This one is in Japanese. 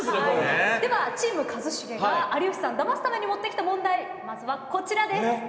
ではチーム一茂が有吉さんをダマすために持ってきた問題まずはこちらです。